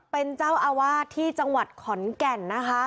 เป็นเจ้าอาวาสที่จังหวัดขอนแก่นนะคะ